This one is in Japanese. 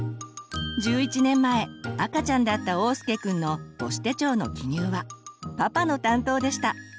１１年前赤ちゃんだったおうすけくんの母子手帳の記入はパパの担当でした。